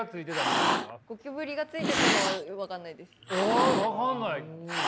あ分かんない？